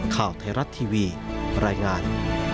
ข่าวไทยรัฐทีวีรายงาน